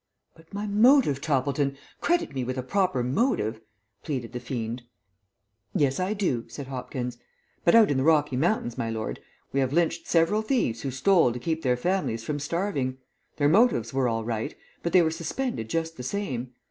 "But my motive, Toppleton. Credit me with a proper motive," pleaded the fiend. "Yes, I do," said Hopkins. "But out in the Rocky Mountains, my lord, we have lynched several thieves who stole to keep their families from starving. Their motives were all right, but they were suspended just the same.